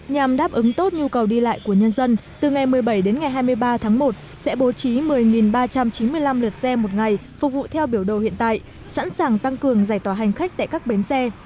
nhằm đáp ứng tốt nhu cầu đi lại của nhân dân từ ngày một mươi bảy đến ngày hai mươi ba tháng một sẽ bố trí một mươi ba trăm chín mươi năm lượt xe một ngày phục vụ theo biểu đồ hiện tại sẵn sàng tăng cường giải tỏa hành khách tại các bến xe